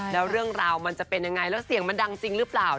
แล้วเรื่องราวมันจะเป็นยังไงแล้วเสียงมันดังจริงหรือเปล่า